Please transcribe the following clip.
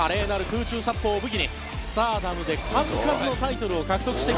空中殺法を武器にスターダムで数々のタイトルを獲得してきました。